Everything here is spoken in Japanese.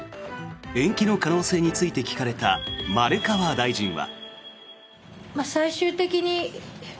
延期の可能性について聞かれた丸川大臣は。